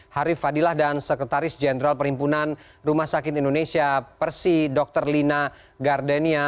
harif fadilah dan sekretaris jenderal perhimpunan rumah sakit indonesia persi dr lina gardenia